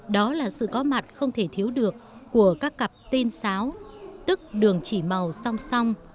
đó là sự có mặt không thể thiếu được của các cặp tên xáo tức đường chỉ màu song song